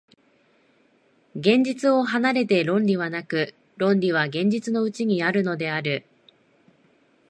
現実を離れて論理はなく、論理は現実のうちにあるのである。